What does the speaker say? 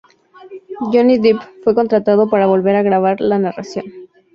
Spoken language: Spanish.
Johnny Depp fue contratado para volver a grabar la narración.